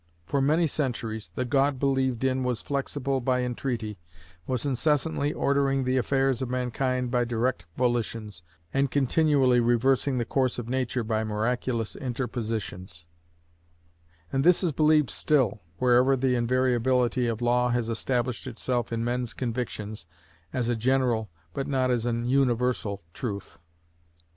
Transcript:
For many centuries the God believed in was flexible by entreaty, was incessantly ordering the affairs of mankind by direct volitions, and continually reversing the course of nature by miraculous interpositions; and this is believed still, wherever the invariability of law has established itself in men's convictions as a general, but not as an universal truth.